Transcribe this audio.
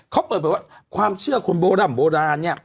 เขาเปิดไปว่าความเชื่อคนโบร่ำโบราณเนี่ย